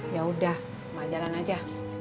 yaudah emak jalan aja